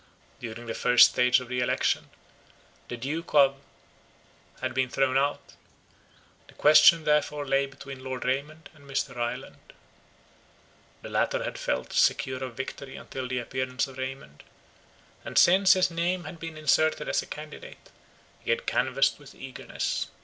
During the first stage of the election, the Duke of——had been thrown out; the question therefore lay between Lord Raymond and Mr. Ryland. The latter had felt secure of victory, until the appearance of Raymond; and, since his name had been inserted as a candidate, he had canvassed with eagerness.